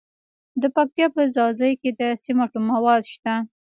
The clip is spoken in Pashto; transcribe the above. د پکتیا په ځاځي کې د سمنټو مواد شته.